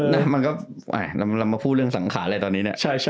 แล้วเรากลับมาพูดเรื่องสังขาละตอนนี้